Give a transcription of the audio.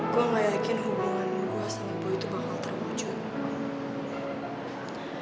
gue gak yakin hubungan gue sama bu itu bakal terwujud